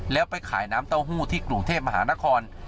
แล้วไปขายน้ำเต้าหู้ที่กรุงเทพมหานคร